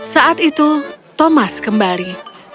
saat itu thomas kembali